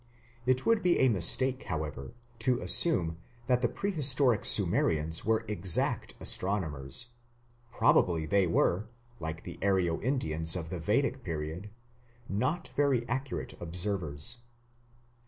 It would be a mistake, however, to assume that the prehistoric Sumerians were exact astronomers. Probably they were, like the Aryo Indians of the Vedic period, "not very accurate observers".